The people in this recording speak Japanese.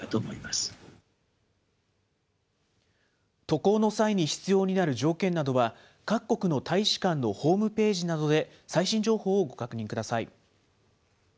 渡航の際に必要になる条件などは、各国の大使館のホームページなどで、最新情報をご確認ください。